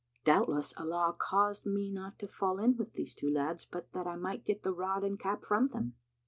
Doubtless, Allah caused me not to fall in with these two lads, but that I might get the rod and cap from them."